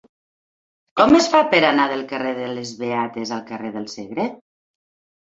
Com es fa per anar del carrer de les Beates al carrer del Segre?